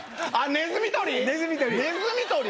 ネズミ捕り。